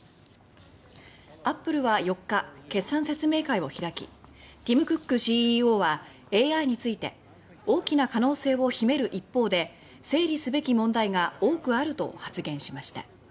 アップルは４日決算説明会を開きティム・クックＣＥＯはＡＩについて「大きな可能性を秘める一方で整理すべき問題が多くある」と発言しました。